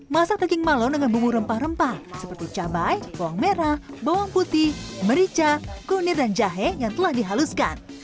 masak daging malon dengan bumbu rempah rempah seperti cabai bawang merah bawang putih merica kunir dan jahe yang telah dihaluskan